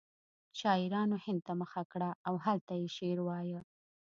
شاعرانو هند ته مخه کړه او هلته یې شعر وایه